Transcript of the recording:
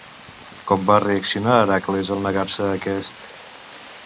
Com va reaccionar Hèracles al negar-se aquest?